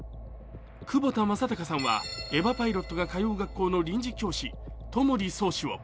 窪田正孝さんはエヴァパイロットが通う学校の臨時教師、渡守ソウシを。